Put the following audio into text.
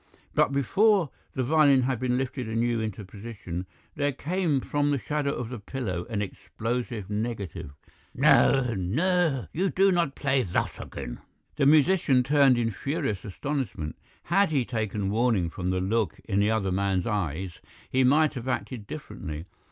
But before the violin had been lifted anew into position there came from the shadow of the pillar an explosive negative. "'Noh! Noh! You do not play thot again!' "The musician turned in furious astonishment. Had he taken warning from the look in the other man's eyes he might have acted differently.